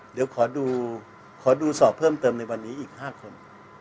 เดี๋ยวขอดูสอบเพิ่มเติมในวันนี้อีก๕คน